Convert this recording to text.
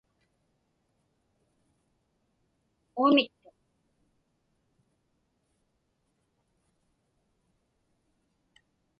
Uamittuq.